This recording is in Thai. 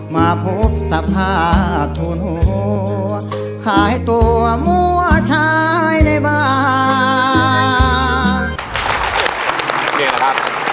มาพบสรรพาทุนหัวค่ะให้ตัวมัวชายในบ้าน